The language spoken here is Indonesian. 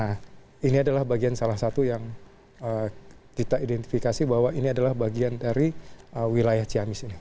nah ini adalah bagian salah satu yang kita identifikasi bahwa ini adalah bagian dari wilayah ciamis ini